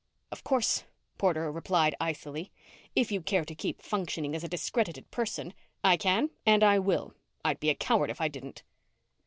"Of course," Porter replied icily, "if you care to keep functioning as a discredited person " "I can. And I will. I'd be a coward if I didn't."